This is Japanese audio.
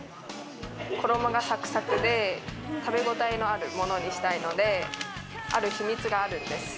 衣がサクサクで、食べ応えのあるものにしたいので、ある秘密があるんです。